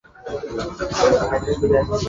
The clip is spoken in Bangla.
আমি কেন জেলে যাব?